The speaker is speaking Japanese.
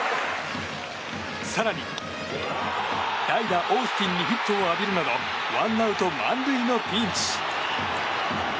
更に代打オースティンにヒットを浴びるなどワンアウト満塁のピンチ。